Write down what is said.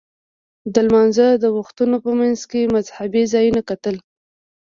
د لمانځه د وختونو په منځ کې مذهبي ځایونه کتل.